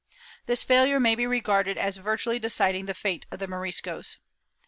^ This failure may be regarded as virtually deciding the fate of the Moriscos.